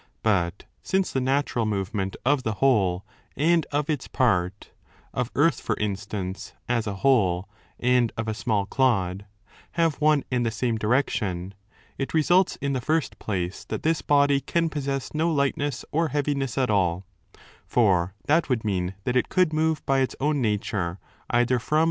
But since the natural movement of the whole and of its part—of earth, for in 5 stance, as a whole and of a small clod—have one and the same direction, it results, in the first place, that this body can possess no lightness or heaviness at all (for that would mean that it could move by its own nature either from or bo en 1 Reading ἱκανῶς ὡς πρός (ὡς is omitted by E alone).